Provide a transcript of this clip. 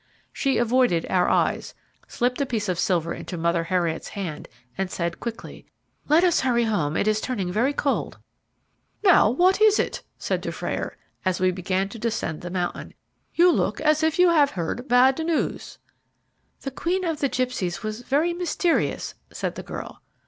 She avoided our eyes, slipped a piece of silver into Mother Heriot's hand, and said quickly: "Let us hurry home; it is turning very cold." "Now, what is it?" said Dufrayer, as we began to descend the mountain; "you look as if you had heard bad news." "The Queen of the Gipsies was very mysterious," said the girl.